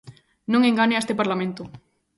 Non engane a este Parlamento.